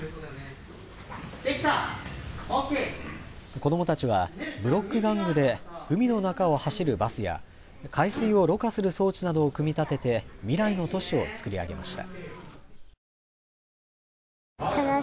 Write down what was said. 子どもたちは、ブロック玩具で海の中を走るバスや海水をろ過する装置などを組み立てて未来の都市をつくり上げました。